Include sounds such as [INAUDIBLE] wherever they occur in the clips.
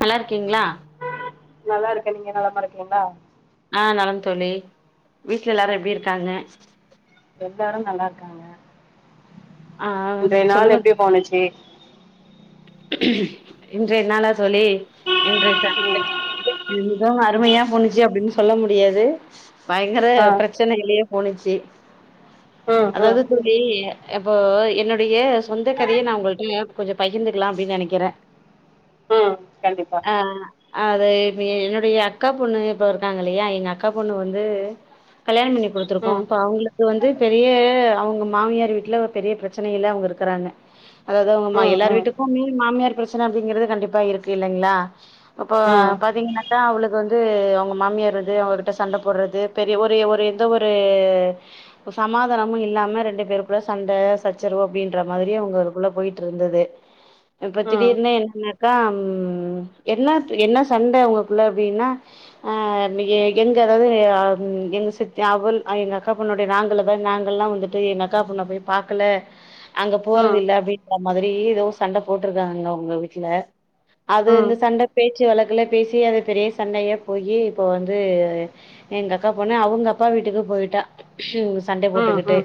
நல்லா இருக்கீங்களா நல்லா இருக்கேன் நீங்க நலமா இருக்கீங்களா ஆஹ் நலன் தோழி வீட்டுல எல்லாரு எப்டி இருக்காங்க எல்லாரு நல்லா இருக்காங்க ஆ இன்றைய நாள் சொல்லுங்க எப்டி போனிச்சி இன்றைய நாளது தோழி இன்றைய [INAUDIBLE] இன்றைய நாள் அருமையா போனுச்சுன்னு அப்படின்னு சொல்ல முடியாது பயங்கர ம் ஆ பிரச்சனையிலேயே போனுச்சி ம் தே ம் அதாவது தோழி இப்போ என்னுடைய சொந்த கதையே நா உங்கள்ட்ட கொஞ்சோ பகிர்ந்து க்கலா அப்டின்னு நெனைக்கிறே ம் கண்டிப்பா ஆ அது இப்ப என்னுடைய அக்கா பொண்ணு இப்ப இருக்காங்க இல்லையா எங்க அக்கா பொண்ணு வந்து கல்யாணம் பண்ணி குடுத்துருக்கோ ம் இப்ப அவங்களுக்கு வந்து பெரிய அவங்க மாமியார் வீட்ல பெரிய பிரச்சனையில அவங்க இருக்குறாங்க அதாவது அவங்க ம் எல்லார் ம் வீட்டு க்குமே மாமியார் பிரச்சன அப்டிங்கிறது கண்டிப்பா இருக்கு இல்லைங்ளா அப்போ ம் ம் பாத்திங்கனாக்கா அவளுக்கு வந்து அவங்க மாமியார் வந்து அவங்ககிட்ட சண்ட போட்றது பெரிய ஒரு ஒரு எந்த ஒரு சமாதானமு இல்லாம ரெண்டு பேருக்குள்ள சண்ட சச்சரவு அப்டின்ற மாதிரியே அவங்களுக்குள்ள போயிட்டுருந்துது இப்ப திடீர்னு என்னனாக்கா ம் என்ன என்ன சண்டை உங்களுக்குள்ள அப்படின்னா அ எ எங்க அதாவது எங்க சித் அவள் எங்க அக்கா பொண்ணுடைய நாங்கள போ நாங்கள்ல்லா வந்துட்டு எங்க அக்கா பொண்ண போய் பாக்கல அங்க போறது ம் இல்ல அப்டின்ற மாதி ரி ஏதோ சண்ட போட்டுருக்காங்க அவ்ங்க வீட்ல அது ம் இந்த சண்ட பேச்சு வழக்குல பேசி அது பெரிய சண்டய போயி இப்போ வந்து எங்க அக்கா பொண்ணு அவங்க அப்பா வீட்டுக்கு போயிட்டா [UNINTELLIGIBLE] சண்ட ம் போட்டுக்கிட்டு ம்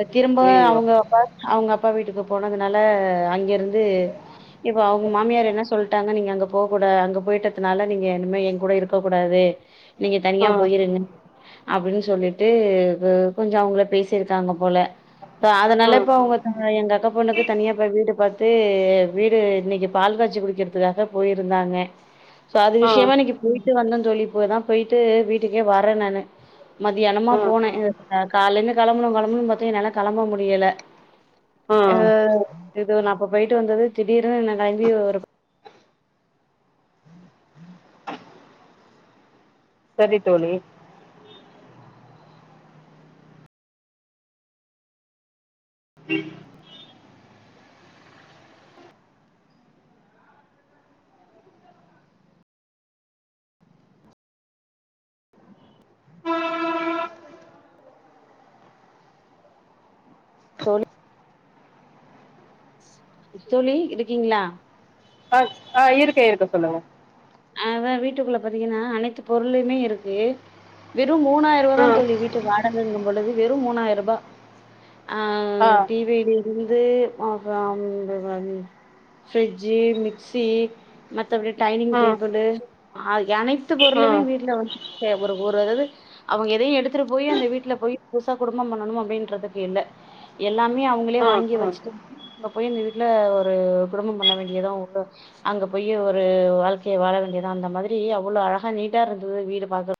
அ திரும்ப ஐயையோ அவங்க அப்பா அவங்க அப் ப்பா வீட்டுக்கு போனதுனால அங்கயே வந்து இப்ப அவங்க மாமியார் என்ன சொல்ட்டாங்க நீங்க அங்க போகூடாத் அங்க போயிட்டதுனால நீங்க இனிமே ஏன்கூட இருக்க கூடாது நீங்க தனியா ம் போயிருங்க அப்புடின்னு சொல்லிட்டு கு கொஞ்சம் அவங்கள பேசிருக்காங்க போல சோ ம் அதனால ம் இப்ப அவங்க [UNINTELLIGIBLE] எங்க அக்கா பொண்ணுக்கு தனியா இப்ப வீடு பாத் ட்டு வீடு இன்னிக்கி பால் காய்ச்சி குடிக்கிறதுக்காக போயிருந்தாங்க சோ அது ம் விஷயமா இனைக்கி போயிட் ட்டு வந்தோ தோழி இப்போதா போயிட்டு வீட்டுக்கே வரே நானு மதியானமா ம் போனே ம் [UNINTELLIGIBLE] காலில கெளம்புனு கெளம்புனு பாத்தா என்னியால களம்ப முடியல இ ம் இது நாப் இப்ப போயிட்டு வந்தது திடீர்னு என்ன கெளம்பி ஒருப் சரி தோழி தோழி தோழி இருக்கீங்களா அ ஆ இருக்க இருக்க சொல்லுங்க அதா வீட்டுக்குள்ள பாத்தீங்கன்னா அனைத்து பொருளுமே இருக்கு வெறும் மூணாயிரூபதா ம் தோழி வீட்டு வாடகங்க பொழுது வெறும் மூணாயிரூபா ஆ ஆ டி விலிருந்து அப்புறம் [UNINTELLIGIBLE] ஃப்ரிட்ஜு மிக்சி மத்தபடி டைனிங் ம் டேப் தூளு ஆகிய அனைத்து பொருளுமே ம் வீட்ல வந்து ஒரு ஒரு அதாவது அவங்க எதயு எடுத்துட்டு போய் அந்த வீட்ல போய் புதுசா குடும்பம் பண்ணணுமோ அப்புடின்றதுக்கு இல்ல எல்லாமே அவங்களே ம் வாங்கி ம் ம் வெச்சுடாங்க அங்க போய் இந்த வீட்ல ஒரு குடும்பம் பண்ண வேண்டியதுதா அங் உள்ள அங்க போய் ஒரு வாழ்க் கையே வாழ வேண்டியதா அந்த மாதிரி அவ்வளோ அழகா நீட்டா ரெண்டு பேரு வீடு பாக்குற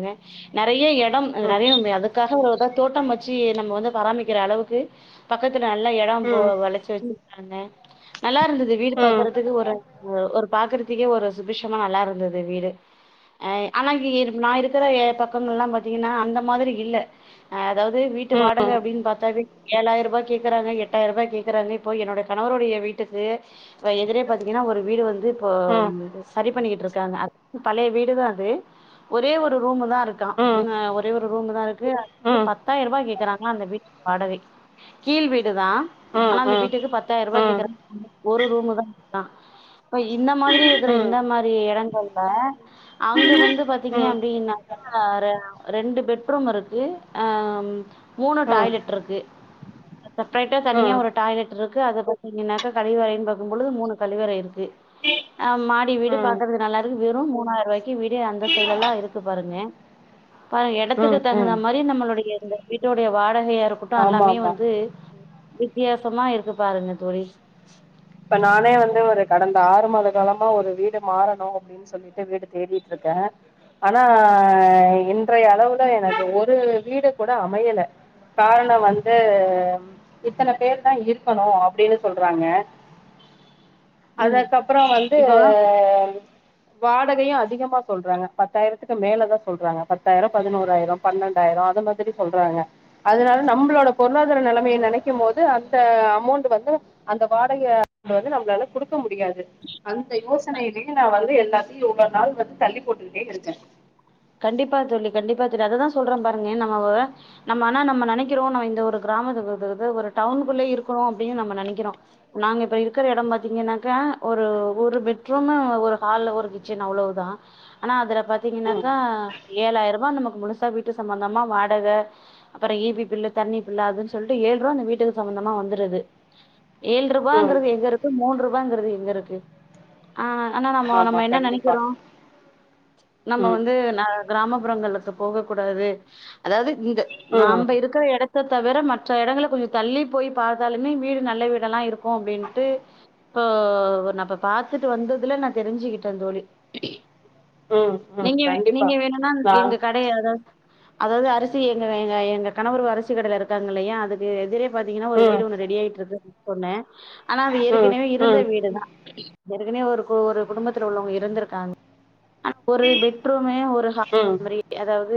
ங்க நெறைய எடம் அ நெறைய ம் அதுக்காக ஒரு இதா தோட்டம் வச்சு நம்ம வந்து பராமிக்கிற அளவுக்கு பக்கத் து நல்லா இடம் போ வளைச்சு வெச்சி காங்க நல்லா இருந்துது வீடு பாக்குறதுக்கு ஒரு ம் ஒரு பாக்குறதுக்கே ஒரு சுபிஷமா நல்லா இருந்தது வீடு அ ஆனா இங்க இருப் நா இருக் க்குற ஏ பக்கங்கெல்லா பாத்தீங்கன்னா அந்த மாதிரி இல்ல ஆ அதாவ்து வீட்டு வாடக ம் அப்டின் பார்த்தா வீ ஏழாய்ரூபா கேக்குறாங்க எட்டாயிரூபா கேக்குறாங்க இப்போ என்னோட கணவருடைய வீட்டுக்கு வ எதிரே பாத்தீங்கன்னா ஒரு வீடு வந்து இப்போ ம் இது சரி பண்ணிக்கிட்ருக்காங்க அத் பழைய வீடுதா அது ஒரே ஒ ரு ரூமுதா இருக் கா ம் ம் இன்ன ஒரே ரூமுதா இருக் து ம் வந்து ம் பத்தாய்ருபா கே க்றாங்க அந்த வீட்டு வாடகை கீழ் வீட் ட்டுதா ம் ஆனா அந்த வீட்டுக்கு ம் பத்தாயிரருவா ம் கேக் [INAUDIBLE] ஒரு ரூமுதா இருக்கா இந்த மாதிரி ம் இருக்க ம் இந்த மாரி இடங்கள்ல அங்க வந்து பாத்தீங்க அப்டின்னாக்கா ரெ ரெண்டு பெட்ரூம் இருக்கு ஆஹ் மூணு டாய்லெட் இருக்கு செப்ரேட்டா தனியா ம் ஒரு டாய்லெட் இருக்கு அத பத்தீங்கனாக்கா கழிவறை பாக்கும்போது மூணு கழிவறை இருக்கு மாடி வீடு ம் பாக்கறதுக்கு நல்லா இருக்கு வெறும் மூணாயிர ரூவாய்க்கு வீடு அந்த சைடெல்லா இருக் கு பாருங்க பாருங்க இடத்துக்கு ம் தகுந்த ம் மாரி நம்மளுடைய இந்த வீட்டோடைய வாடக கையா இருக்கட்டு ஆமா அல்லாமே ஆமா வந்து வித்தியாசமா இருக்கு பாருங்க தோழி இப்ப நானே வந்து ஒரு கடந்த ஆறு மாத காலமா ஒரு வீடு மாறணு அப்டின்னு சொல்லிட்டு வீடு தேடிட்டு இருக்கே ஆனா இன்றைய அளவுல எனக்கு ஒரு வீடு கூட அமையல காரணோ வந்து இத்தன பேர்தா இருக்கணு அப்டின்னு சொல்றாங்க ம் அதக்கப்றோ வந்து இப்போ வாடகையு அதிகமா சொல்றாங்க பத்தாயிரத்துக்கு மேலதா சொல்றாங்க பத்தாயிரோ பதினோறாயிரோ பன்னெண்டாயிரோ அது மாதிரி சொல்றாங்க அதுனால நம்மளோட பொருளாதார நெலமைய நெனைக்கும் போது அந்த அமௌண்ட் வந்து அந்த வாடகைய [UNINTELLIGIBLE] நம்மளால கொடுக் க முடியாது அந்த யோசனையிலேயே நா வந்து எந் சகி யுகநாள் வந்து தள்ளி போட்டுட்டே இருங்க கண்டிப்பா தோழி கண்டிப்பா தோழி, அததான் சொல்றேன் பாருங்க எ நம்மவ நம்ம ஆனா நம்ம நெனைக்கறோம் நம்ம இந்த ஒரு கிராமத்துக்கு, இது து ஒரு டவுனுக்குள்ளே இருக்கணும் அப்டின்னு நம்ம நெனைக்கிறோம் நாங்க இப்ப இருக்கிற இடம் பாத்தீங்கன்னாக்கா, ஒரு ஒரு பெட்ரூமு ஒரு ஹால்ல ஒரு கிச்சன் அவ்வளவுதான். ஆனா அதுல பாத்தீங்க க் ம் ஏழாயிர்ருபா நமக் முழுசா வீட்டு சம்பந்தமா வாடகை அப்புறம் ஈபி பில்லு தண்ணி பில்லு அதுன்னு சொல்லிட்டு ஏழ்ருவா அந்த வீட்டுக்கு சம்பந்தமா வந்துடுது ம் ஏழ்ரூபாங்கிறது எங்க இருக்கு மூன் ரூ வாங்கிறது எங்க இருக்கு ஆஹ் ஆனா நம்ம ஆமா நம்ம என்ன கண்டிப்பா நெனைக்கிறோ நம்ம ம் வந்து து கிராமப்புறங்களுக்கு போகக் கூடாது அதாவது இந்த ம் நாம இருக்கற இடத் த்த தவிர மற்ற இடங்கள கொஞ்சம் தள்ளி போய் பாத்தாலுமே வீடு நல்ல வீடா எல்லா இருக்கும் அப்டின்ட்டு, இப்போ நான் இப்ப பாத்துட்டு வந்ததுல நான் தெரிஞ்சுக்கிட்டேன் தோழி உம் உம் நீங்க கண் நீங்க வேணும்னா எங்க கடய, அதாவ அதாவது அரிசி எங்க எங்க கணவரு அரிசி கடேல இருக்காங்க இல்லையா அதுக்கு எதிரே பாத்தீங்கன்னா ஒரு ம் வீடு ஒன்னு ரெடி ஆயிட்டு இருக்கு சொன்னே ஆனா அது ம் ஏற்கனவே இருந்த ம் வீடு தான் ஏற்கனவே ஒரு கு ஒரு குடும்பத்துல உள்ளவங்க இருந்திருக்காங்க அ பெட்ரூமு ஒரு ஹால், ம் அந்த மாதிரி அதாவது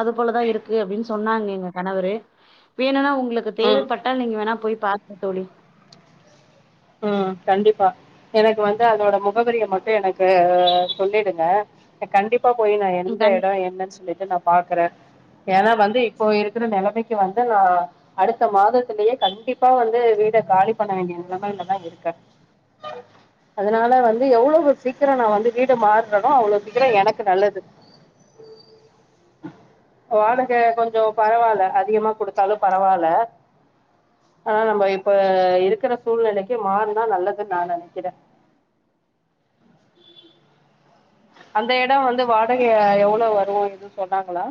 அது போலதான் இருக்கு அப்டின்னு சொன்னாங்க எங்க கணவரு வேணும்னா உங் ங்களுக்கு ம் தேவைப்பட்டால் நீங்க வேணா போய் பாருங்க தோழி ம் கண்டிப்பா எனக்கு வந்து அதோட முகவரிய மட்டும் எனக்கு சொல்லிடுங்க, நா கண்டிப் ப்பா போய், நா ம் எந்த கண் இடம் என்னன்னு சொல்லி நா பாக்குறே ஏன்னா வந்து இப்போ இருக்கிற நிலைமைக்கு வந்து நா அடுத்த மாதத்திலயே கண்டிப்பா வந்து வீட காலி பண்ண வேண்டிய நிலமல தா இருக்க, அதனால வந்து எவ்ளவு சீக்கிரம் நா வந்து வீடு மாறுறேனோ, அவ்ளோ சீக்கிரம் எனக்கு நல்லது வாடகை கொஞ்சம் பரவால அதிகமா கொடுத்தாலும் பரவால, ஆனா நம்ம இப்ப இருக்கிற சூழ்நிலைக்கு ந்து மாறுனா நல்லதுன்னு நா நெனைக்கிறே அந்த இடம் வந்து வாடகை எவ்வளவு வரும் எதுன்ன சொன்னாங்களா